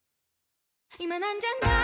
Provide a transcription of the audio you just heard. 今なんじゃない？